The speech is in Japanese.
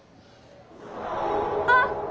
あっ！